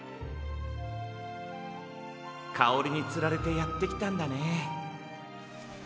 かおりにつられてやってきたんだね。